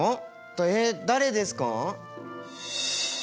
えっ誰ですか？